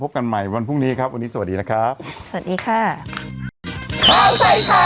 พบกันใหม่วันพรุ่งนี้ครับวันนี้สวัสดีนะครับ